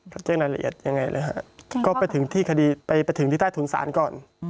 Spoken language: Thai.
เขาแจ้งรายละเอียดยังไงเลยฮะก็ไปถึงที่คดีไปถึงที่ใต้ถุนศาลก่อน